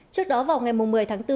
trước đó vào ngày một mươi tháng bốn